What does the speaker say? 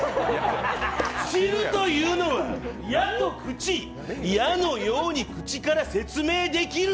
知るというのは「矢」と「口」矢のように口から説明できる！